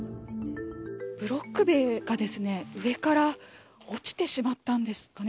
ブロック塀が上から落ちてしまったんですかね。